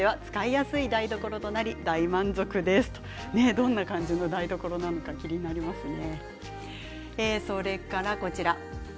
どんな感じの台所なのか気になりますね。